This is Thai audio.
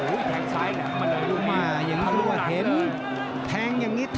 โอ้โหแทงซ้ายแหลงมาเลยลุงนี้